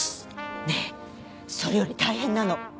ねえそれより大変なの。